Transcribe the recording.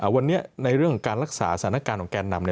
วันนี้ในเรื่องของการรักษาสถานการณ์ของแกนนำ